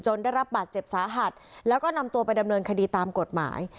ได้รับบาดเจ็บสาหัสแล้วก็นำตัวไปดำเนินคดีตามกฎหมาย